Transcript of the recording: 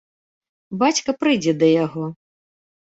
Бацька прыйдзе да яго.